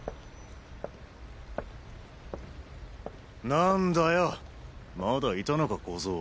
なんだよまだいたのか小僧。